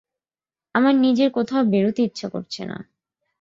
আমার নিজের কোথাও বেরুতে ইচ্ছা করছে না।